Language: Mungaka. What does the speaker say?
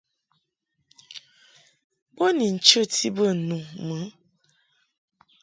Bo ni nchəti bə nu mɨ.